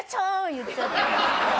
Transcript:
言っちゃって。